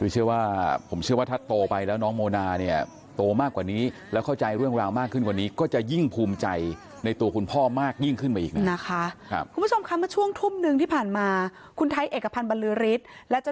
สูงคุณถึงลูกมาช่วงทุ่มหนึ่งที่ผ่านมา